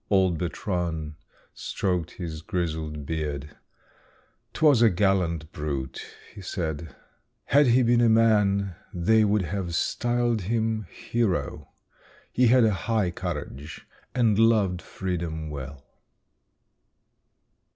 "Old Bertrand stroked his grizzled beard. "''Twas a gallant brute,' he said. 'Had he been a man they would have styled him hero. He had a high courage and loved freedom well.'"